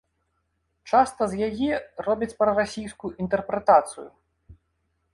Часта з яе робяць прарасійскую інтэрпрэтацыю.